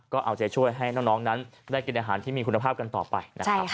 ก็เอาใจช่วยให้น้องนั้นได้กินอาหารที่มีคุณภาพกันต่อไปนะครับ